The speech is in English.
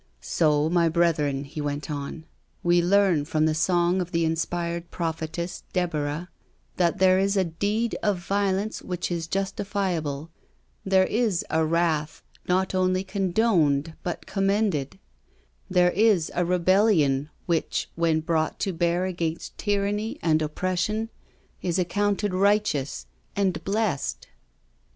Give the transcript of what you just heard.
•• So, my brethren," he went on, we learn from the song of the inspired prophetess Deborah that there is a deed of violence which is justifiable, there is a wrath not only condoned but conunended, there is a rebellion which, when brought to bear against tyranny and op pression, is accounted righteous and ' blessed.'